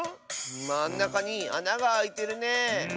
まんなかにあながあいてるね。